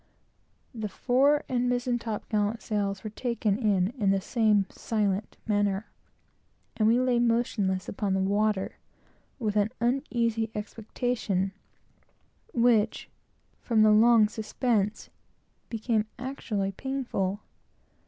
The fore and mizen top gallant sails were taken in, in the same silent manner; and we lay motionless upon the water, with an uneasy expectation, which, from the long suspense, became actually painful.